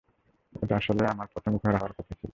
ওটা আসলে আমার প্রথম ঘোড়া হওয়ার কথা ছিল।